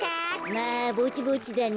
まあぼちぼちだね。